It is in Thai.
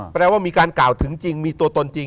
แปลว่ามีการกล่าวถึงจริงมีตัวตนจริง